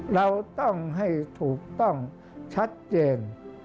เราต้องให้ถูกต้องชัดเจน